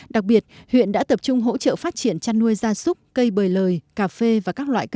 đặc biệt huyện đã tập trung hỗ trợ phát triển chăn nuôi da súc cây bời lời cà phê và các loại cà phê